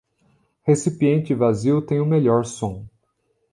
Recipiente vazio tem o melhor som.